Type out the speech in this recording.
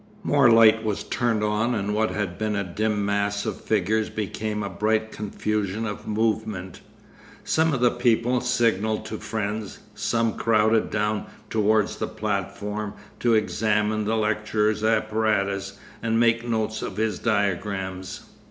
More light was turned on and what had been a dim mass of figures became a bright confusion of movement. Some of the people signalled to friends, some crowded down towards the platform to examine the lecturer's apparatus and make notes of his diagrams.